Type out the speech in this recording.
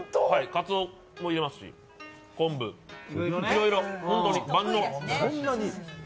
かつおも入れますし、昆布、いろいろ、本当に万能。